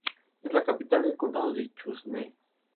El color puede ser negro, negro y fuego, o negro y rojo mezclados.